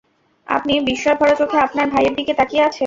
আপনি বিস্ময়ভরা চোখে আপনার ভাইয়ের দিকে তাকিয়ে আছেন।